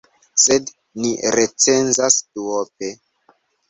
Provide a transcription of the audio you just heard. Sed ni recenzas duope.